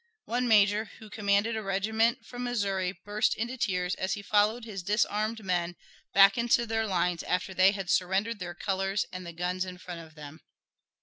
One major, who commanded a regiment from Missouri, burst into tears as he followed his disarmed men back into their lines after they had surrendered their colors and the guns in front of them.